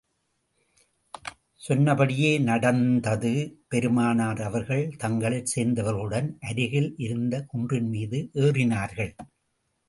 சொன்னபடியே நடந்தது பெருமானார் அவர்கள் தங்களைச் சேர்ந்தவர்களுடன், அருகில் இருந்த குன்றின் மீது ஏறினார்கள்.